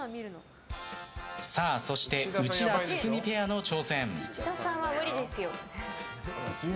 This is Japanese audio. そして、内田、堤ペアの挑戦。